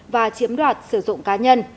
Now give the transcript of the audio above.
và chiếm đoạt sử dụng cá nhân